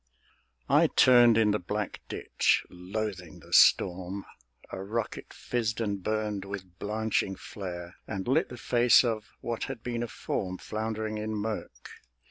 I turned in the black ditch, loathing the storm; A rocket fizzed and burned with blanching flare, And lit the face of what had been a form Floundering in mirk.